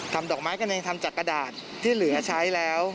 ดอกไม้กระเนยทำจากกระดาษที่เหลือใช้แล้ว